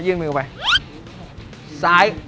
อ๋อยื่นมือกลับไปซ้าย